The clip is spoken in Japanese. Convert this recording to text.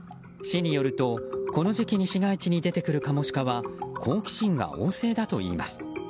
市によると、この時期に市街地に出てくるカモシカは好奇心が旺盛だといいます。